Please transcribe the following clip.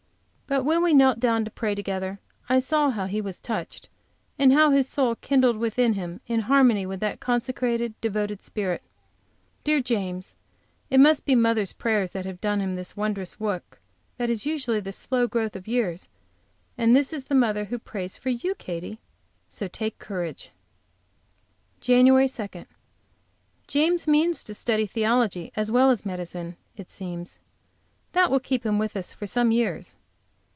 But when we knelt down to pray together, I saw how he was touched, and how his soul kindled within him in harmony with that consecrated, devoted spirit. Dear James! it must be mother's prayers that have done for him this wondrous work that is usually the slow growth of years; and this is the mother who prays for you, Katy! So take courage! JAN. 2. James means to study theology as well as medicine, it seems. That will keep him with us for some years.